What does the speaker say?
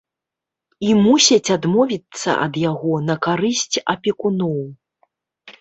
І мусяць адмовіцца ад яго на карысць апекуноў.